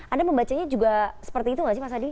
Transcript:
anda membacanya juga seperti itu gak sih mas adi